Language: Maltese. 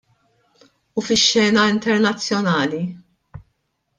U fix-xena internazzjonali?